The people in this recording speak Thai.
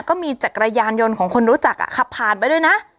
ก็มีจักรยานยนต์ของคนรู้จักขับผ่านไปด้วยนะ